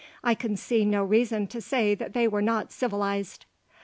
I can see no reason to say they were not civilized.)